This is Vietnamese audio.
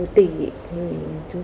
sau đó tôi cũng không